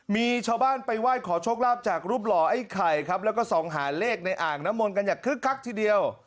มีชาวบ้านไปไหว้ขอโชคลาภจากรูปหล่อไอ้ไข่ครับแล้วก็ส่องหาเลขในอ่างน้ำมนต์กันอย่างคึกคักทีเดียว